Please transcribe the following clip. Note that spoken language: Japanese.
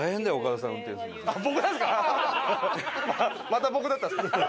また僕だったんですか？